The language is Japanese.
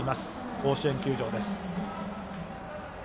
甲子園球場です。